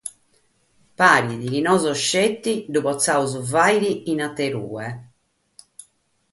Paret chi petzi nois lu potzamus fàghere in aterue.